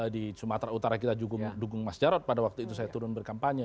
di sumatera utara kita dukung mas jarod pada waktu itu saya turun berkampanye